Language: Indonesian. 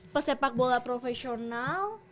dua puluh pesepak bola profesional